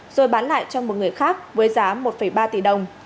rồi bán lại cho một người khác với giá một ba tỷ đồng